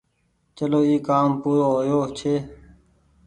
چلو اي ڪآم پورو هو يو ڇي